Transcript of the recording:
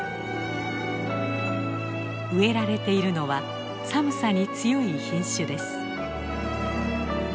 植えられているのは寒さに強い品種です。